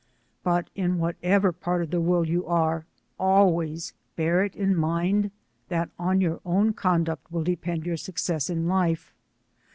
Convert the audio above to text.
But in whatever part of the world you are, always bear it, in mind, that on your own conduct will depend your success in life.